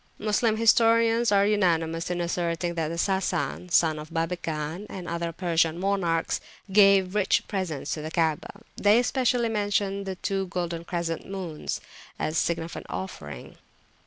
Moslem historians are unanimous in asserting that Sasan, son of Babegan, and other Persian monarchs, gave rich presents to the Kaabah; they especially mention two golden crescent moons, a significant offering.